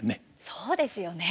そうですよね。